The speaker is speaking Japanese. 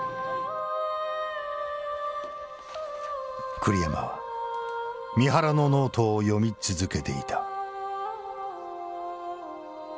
栗山は三原のノートを読み続けていた。